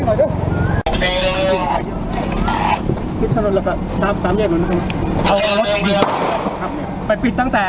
เมื่อเวลาอันดับสุดท้ายมันกลายเป็นภูมิที่สุดท้าย